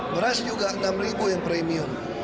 beras juga rp enam yang premium